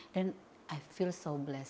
dan saya merasa sangat berkati